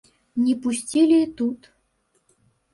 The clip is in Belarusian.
Не пусцілі і тут.